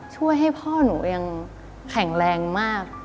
ช่วยให้พ่อหนูยังแข็งแรงมาก